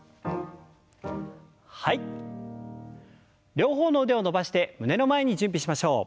両方の腕を伸ばして胸の前に準備しましょう。